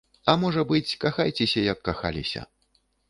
А можа быць, кахайцеся, як кахаліся.